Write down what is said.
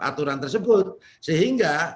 aturan tersebut sehingga